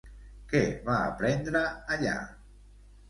Què va aprendre allà?